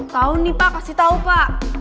tau nih pak kasih tau pak